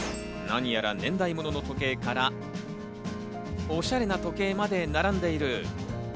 なにやら年代物の時計から、オシャレな時計まで並んでいる。